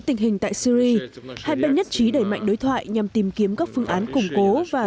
tình hình tại syri hai bên nhất trí đẩy mạnh đối thoại nhằm tìm kiếm các phương án củng cố và